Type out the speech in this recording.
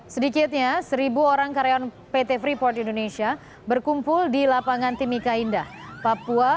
sedikitnya seribu orang karyawan pt freeport indonesia berkumpul di lapangan timika indah papua